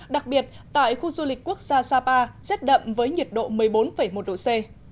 đặc biệt tại khu du lịch quốc gia sapa rét đậm với nhiệt độ một mươi bốn một độ c